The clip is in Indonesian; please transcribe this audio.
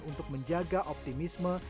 untuk menjaga optimisme